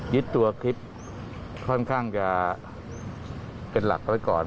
ยึดตัวคลิปค่อนข้างจะเป็นหลักไว้ก่อน